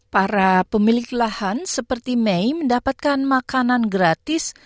para pemilik lahan seperti mei mendapatkan makanan gratis